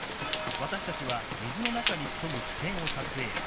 私たちは水の中に潜む危険を撮影。